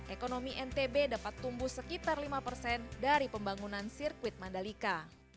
ekonomi ntb dapat tumbuh sekitar lima persen dari pembangunan sirkuit mandalika